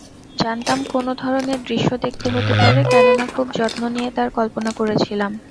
জানতাম কোন ধরণের দৃশ্য দেখতে হতে পারে কেননা খুব যত্ন নিয়ে তার কল্পনা করেছিলাম।